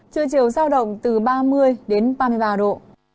trưa chiều giao động từ ba mươi đến ba mươi ba độ